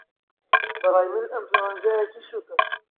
بەڕای من ئەنفلەوەنزایەکی سووکه